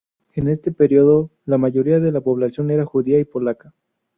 En este periodo la mayoría de la población era judía y polaca.